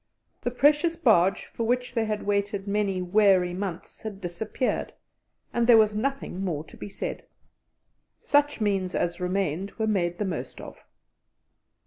The precious barge for which they had waited many weary months had disappeared, and there was nothing more to be said. Such means as remained were made the most of.